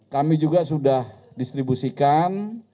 kami juga sudah distribusikan